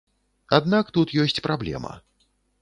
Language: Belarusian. Аднак тут ёсць праблема.